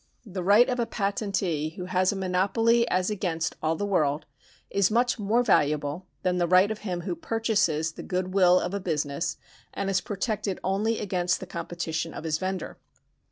The right of a patentee, who has a monopoly as against all the world, is much more valuable than the right of him who purchases the good will of a business and is protected only against the com petition of his vendor.